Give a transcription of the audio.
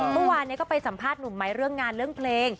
เมื่อวานนี้ก็ไปสัมภาษณ์หนุ่มไม้เรื่องงานเรื่องเพลง